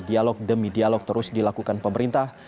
dialog demi dialog terus dilakukan pemerintah